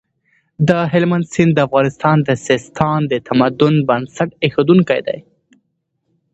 د هلمند سیند د افغانستان د سیستان د تمدن بنسټ اېښودونکی دی.